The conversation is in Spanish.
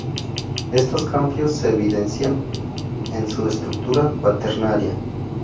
Estos cambios se evidencian en su estructura cuaternaria.